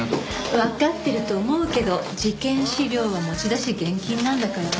わかってると思うけど事件資料は持ち出し厳禁なんだからね。